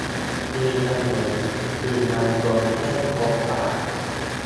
มีสลึงพึงบรรจบให้ครบบาท